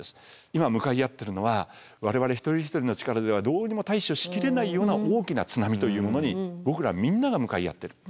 今向かい合っているのは我々一人一人の力ではどうにも対処しきれないような大きな津波というものに僕らみんなが向かい合ってる。